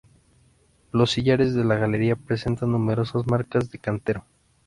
Los sillares de la galería presentan numerosas marcas de cantero.